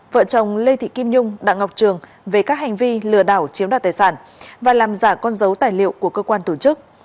vợ chồng lê thị kim nhung đặng ngọc trường về các hành vi lừa đảo chiếm đoạt tài sản và làm giả con dấu tài liệu của cơ quan tổ chức